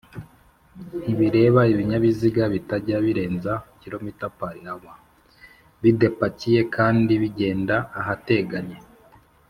ntibireba Ibinyabiziga bitajya birenza km/h bidepakiye kandi bigenda ahateganye